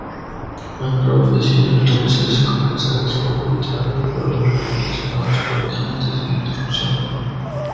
Bancroft decidió entonces comenzar el trabajo literario, pero la recopilación avanzó rápidamente sin interrupción.